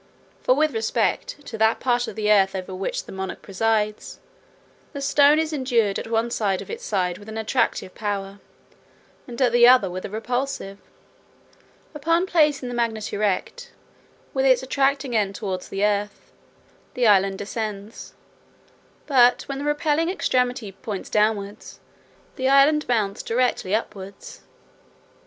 For, with respect to that part of the earth over which the monarch presides, the stone is endued at one of its sides with an attractive power, and at the other with a repulsive. Upon placing the magnet erect, with its attracting end towards the earth, the island descends; but when the repelling extremity points downwards, the island mounts directly upwards.